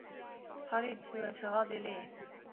陶普利茨是奥地利施蒂利亚州利岑县的一个市镇。